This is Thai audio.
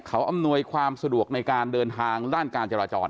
เขาอำนวยความสะดวกในการเดินทางด้านการจราจร